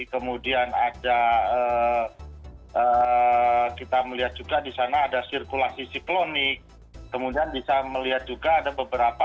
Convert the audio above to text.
kemudian ada kita melihat juga di sana ada sirkulasi siklonik kemudian bisa melihat juga ada beberapa